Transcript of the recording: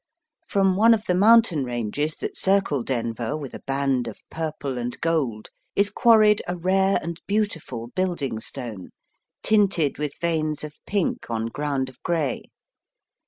From one of the mountain ranges that circle Denver with a band of purple and gold is quarried a rare and beautiful building stone, tinted with veins of pink on ground of grey.